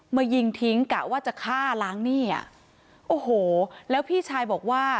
มายิงทิ้งกะว่าจะฆ่าล้างหนี้อ่ะโอ้โหแล้วพี่ชายบอกว่า